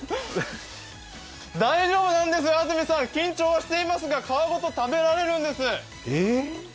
大丈夫なんです、緊張はしていますが皮ごと食べられるんです。